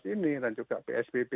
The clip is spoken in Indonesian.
ini dan juga psbb